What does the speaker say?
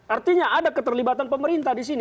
artinya ada keterlibatan pemerintah disini